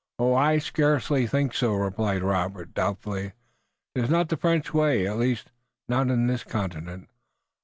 "I scarce think so," replied Robert doubtfully. "'Tis not the French way, at least, not on this continent.